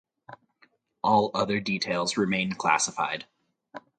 All other details remain classified.